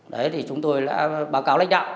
đấy thì chúng tôi đã báo cáo lãnh đạo